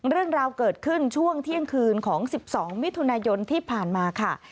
เรื่องราวเกิดขึ้นช่วงเที่ยงคืนของ๑๒มิถุนายนที่ผ่านมาค่ะ